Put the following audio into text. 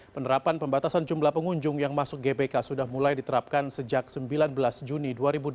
penerapan pembatasan jumlah pengunjung yang masuk gbk sudah mulai diterapkan sejak sembilan belas juni dua ribu dua puluh